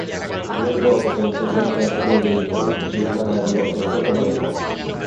Nel gioco sono presenti anche due veicoli, il "Carrello" e il "Sottomarino".